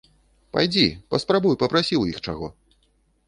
Пайдзі, паспрабуй папрасі ў іх чаго.